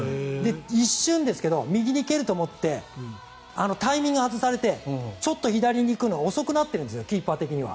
一瞬ですけど、右に蹴ると思ってタイミングを外されてちょっと左に行くのが遅くなっているんですキーパー的には。